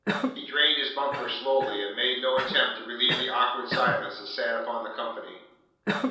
He drained his bumper slowly, and made no attempt to relieve the awkward silence that sat upon the company.